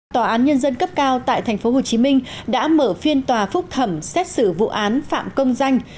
tòa án nhân dân cấp cao tại tp hcm đã mở phiên tòa phúc thẩm xét xử vụ án phạm công danh